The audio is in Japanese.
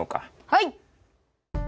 はい！